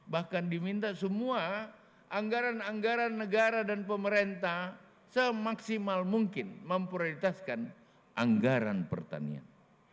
bahkan diminta semua anggaran anggaran negara dan pemerintah semaksimal mungkin memprioritaskan anggaran pertanian